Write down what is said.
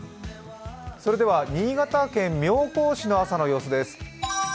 新潟県妙高市の朝の様子です。